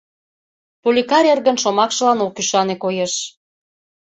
Поликар эргын шомакшылан ок ӱшане, коеш.